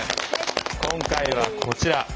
今回はこちら。